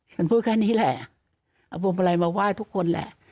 ฉันพูดแค่นี้แหละเอาพวงมาลัยมาไหว้ทุกคนแหละ